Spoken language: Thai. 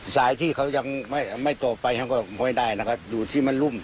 สายที่เขายังไม่ไม่ตกไปไม่ได้นะครับอยู่ที่มันลุ่ม